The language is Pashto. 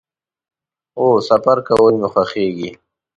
هو، سفر کول می خوښیږي